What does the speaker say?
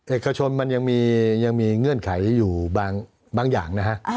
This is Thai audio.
เอกชนมันยังมีเงื่อนไขอยู่บางอย่างนะฮะ